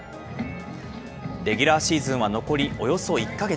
レギュラーシーズンは残りおよそ１か月。